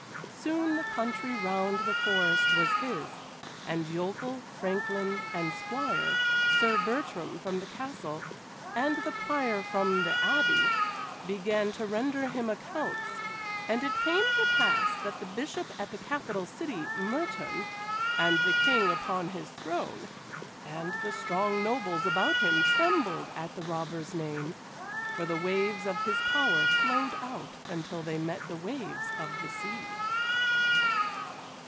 Soon the country round the forest was his, and yokel, franklin, and squire, Sir Bertram from the Castle, and the Prior from the Abbey, began to render him accounts, and it came to pass that the Bishop at the capital city, Mertoun, and the King upon his throne, and the strong nobles about him trembled at the robber's name, for the waves of his power flowed out until they met the waves of the sea.